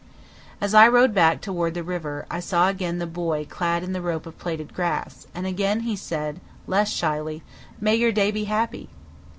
As I rode back toward the river, I saw again the boy clad in the rope of plaited grass, and again he said, less shyly, "May your day be happy!"